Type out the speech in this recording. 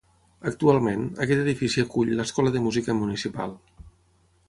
Actualment, aquest edifici acull l'Escola de Música Municipal.